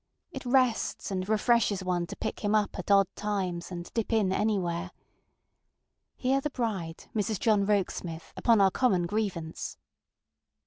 It rests and refreshes one to pick him up at odd times, and dip in anywhere. Hear the bride, Mrs. John Rokesmith, upon our common grievance.